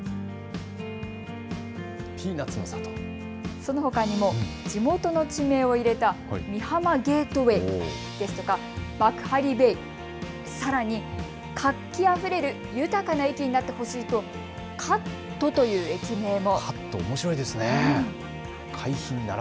そのほかにも地元の地名を入れた美浜ゲートウェイ！ですとか幕張ベイ、さらに活気あふれる豊かな駅になってほしいとかっと、という駅名も。